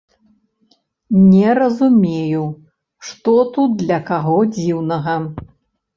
Не разумею, што тут для каго дзіўнага?